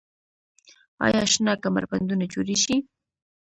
آیا شنه کمربندونه جوړیږي؟